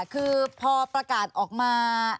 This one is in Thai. คือพอประกาศออกมา